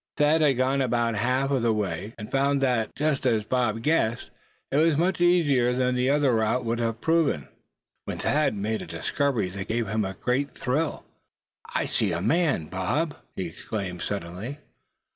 They had gone about half of the way, and found that, just as Bob guessed, it was much easier than the other route would have proven, when Thad made a discovery that gave him a little thrill. "There's a man, Bob!" he exclaimed, suddenly.